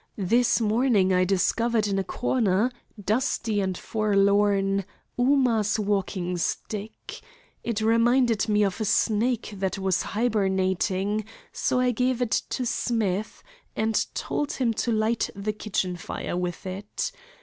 This morning I discovered in a corner, dusty and forlorn, Ooma's walking stick. It reminded me of a snake that was hibernating, so I gave it to Smith, and told him to light the kitchen fire with it.